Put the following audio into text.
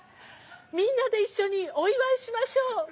◆みんなで一緒に、お祝いしましょう。